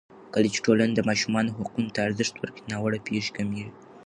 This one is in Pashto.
کله چې ټولنه د ماشومانو حقونو ته ارزښت ورکړي، ناوړه پېښې کمېږي.